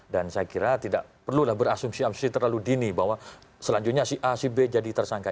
dan saya kira tidak perlulah berasumsi asumsi terlalu dini bahwa selanjutnya si a si b jadi tersangka